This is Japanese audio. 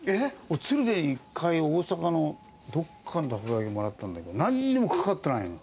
鶴瓶に一回大阪のどっかのたこ焼きもらったんだけどなんにもかかってないの。